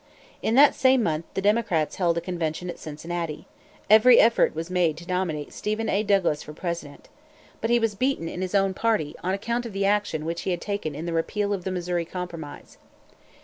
In that same month the Democrats held a convention at Cincinnati. Every effort was made to nominate Stephen A. Douglas for President. But he was beaten in his own party, on account of the action which he had taken in the repeal of the Missouri Compromise.